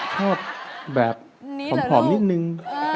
ชอบแบบผอมนิดนึง